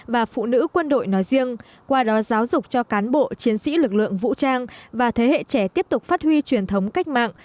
và phụ nữ quân đội nói riêng qua đó giáo dục cho cán bộ chiến sĩ lực lượng vũ trang và thế hệ trẻ tiếp tục phát huy truyền thống cách mạng